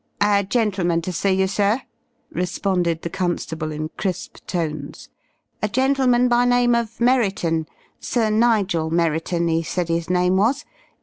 "A gentleman to see you, sir," responded the constable in crisp tones. "A gentleman by name of Merriton, Sir Nigel Merriton he said his name was.